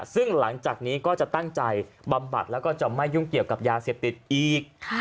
ซึ่งหลังจากนี้ก็จะตั้งใจบำบัดแล้วก็จะไม่ยุ่งเกี่ยวกับยาเสพติดอีก